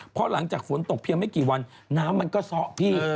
เพราะหลังจากฝนตกเพียงไม่กี่วันน้ำมันก็ซ้อพี่